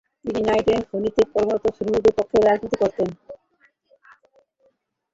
তিনি নাইট্রেট খনিতে কর্মরত শ্রমিকদের পক্ষে রাজনীতি করতেন।